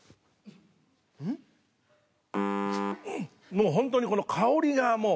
もうホントにこの香りがもう。